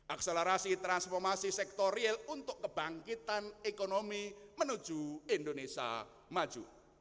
akselerasi transformasi sektor real untuk kebangkitan ekonomi menuju indonesia maju